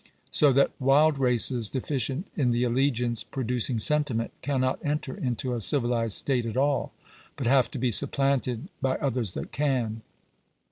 So that wild races deficient in the allegiance producing sentiment cannot enter into a civilized state at all; but have to be supplanted by others that can.